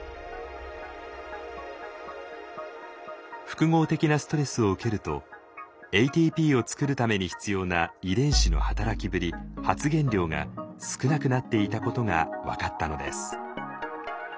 複合的なストレスを受けるとＡＴＰを作るために必要な遺伝子の働きぶり・発現量が少なくなっていたことが分かったのです。